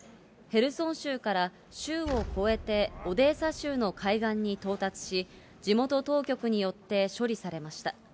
ヘルソン州から州を越えてオデーサ州の海岸に到達し、地元当局によって処理されました。